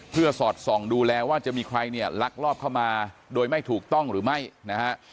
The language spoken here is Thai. เพื่อสอดส่องดูแลว่าจะมีใครเนี่ยลักลอบเข้ามาโดยไม่ถูกต้องหรือไม่นะฮะ